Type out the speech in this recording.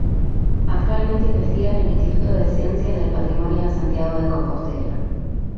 Actualmente investiga en el Instituto de Ciencias del Patrimonio de Santiago de Compostela.